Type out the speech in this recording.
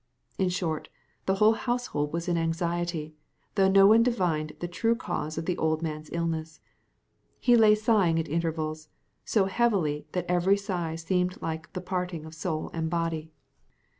In short, the whole household was in anxiety, though no one divined the true cause of the old man's illness. He lay sighing at intervals, so heavily that every sigh seemed like the parting of soul and body.